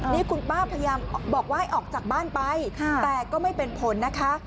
นี่คุณป้าพยายามบอกว่าให้ออกจากบ้านไปแต่ก็ไม่เป็นผลนะคะ